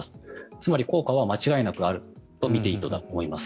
つまり効果は間違いなくあるとみていいと思います。